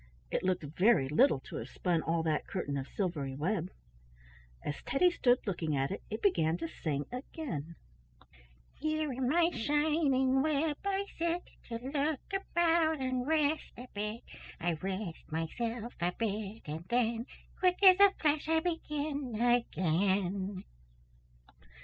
It looked very little to have spun all that curtain of silvery web. As Teddy stood looking at it, it began to sing again: "Here in my shining web I sit, To look about and rest a bit. I rest myself a bit and then, Quick as a flash, I begin again."